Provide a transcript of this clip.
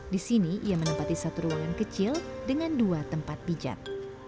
di sini ia menempati satu ruangan kecil dengan dua tempat pijat